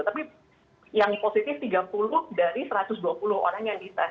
tapi yang positif tiga puluh dari satu ratus dua puluh orang yang dites